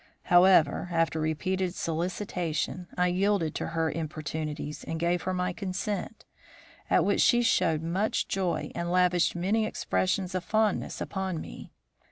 However, after repeated solicitation, I yielded to her importunities and gave her my consent, at which she showed much joy, and lavished many expressions of fondness upon me.